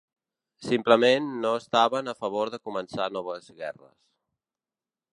Simplement, no estaven a favor de començar noves guerres.